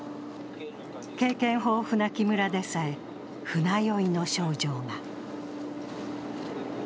経験豊富な木村でさえ、船酔いの症状が。